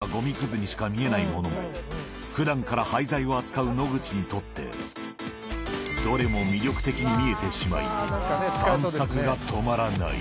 われわれにはごみくずにしか見えないものも、ふだんから廃材を扱う野口にとって、どれも魅力的に見えてしまい、散策が止まらない。